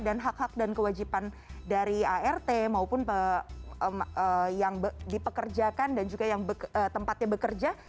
dan hak hak dan kewajiban dari art maupun yang dipekerjakan dan juga yang tempatnya bekerja